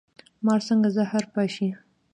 مار څنګه زهر پاشي؟